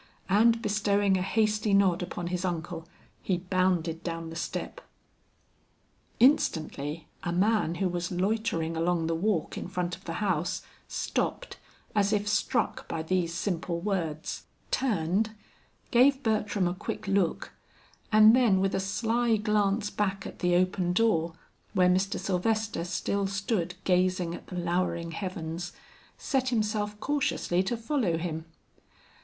And bestowing a hasty nod upon his uncle, he bounded down the step. Instantly a man who was loitering along the walk in front of the house, stopped, as if struck by these simple words, turned, gave Bertram a quick look, and then with a sly glance back at the open door where Mr. Sylvester still stood gazing at the lowering heavens, set himself cautiously to follow him.